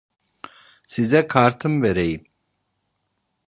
Size kartımı vereyim.